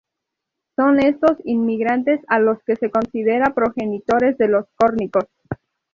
Son estos inmigrantes a los que se considera progenitores de los córnicos.